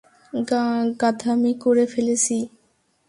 গাধামি করে ফেলেছি।